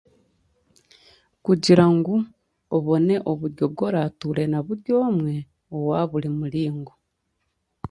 Kugira ngu obone oburyo bu oraatuure na buri omwe owa buri muringo.